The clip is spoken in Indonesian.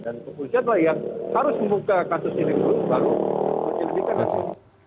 dan kepolisian lah yang harus membuka kasus ini baru